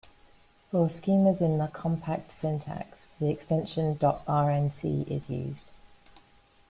For schemas in the compact syntax, the extension ".rnc" is used.